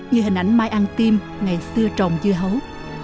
như hình ảnh mai ăn tim ngày xưa trồng dưa hấu